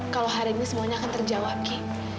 kalau hari ini semuanya akan terjawab ki